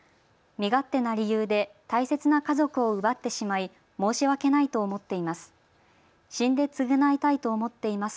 身勝手な理由で大切な家族を奪ってしまい申し訳ないと思っています。